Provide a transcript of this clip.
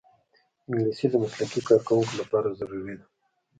انګلیسي د مسلکي کارکوونکو لپاره ضروري ده